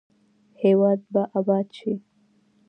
هیواد به اباد شي؟